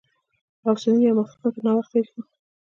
غوث الدين يو ماخستن تر ناوخته ويښ و.